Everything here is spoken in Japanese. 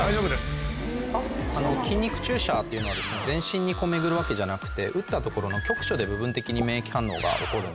筋肉注射というのは全身に巡るわけじゃなくて打った所の局所で部分的に免疫反応が起こるんですね。